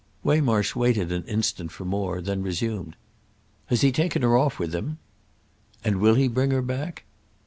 Waymarsh waited an instant for more, then resumed. "Has he taken her off with him?" "And will he bring her back?"